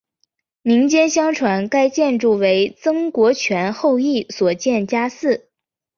民间相传该建筑为曾国荃后裔所建家祠。